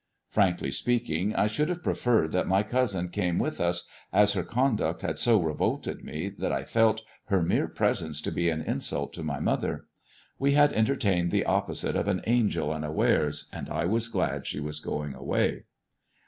Frankly speaking, I should have preferred that my cousin came with us, as her conduct had so revolted me that I felt her mere presence to be an insult to my mother. We had enter tained the opposite of an angel unawares, and I was glad she was going away.